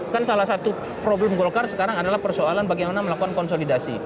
kan salah satu problem golkar sekarang adalah persoalan bagaimana melakukan konsolidasi